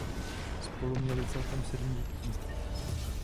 Spolu měli celkem sedm dětí.